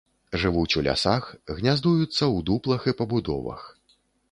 Жывуць у лясах, гняздуюцца ў дуплах і пабудовах.